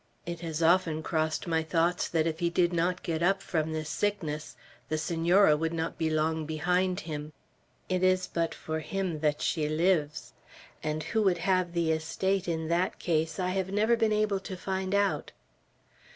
It has often crossed my thoughts that if he did not get up from this sickness the Senora would not be long behind him. It is but for him that she lives. And who would have the estate in that case, I have never been able to find out."